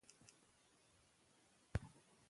یونیسف د افغانو نجونو ښوونځي د ورانولو مخنیوی غواړي.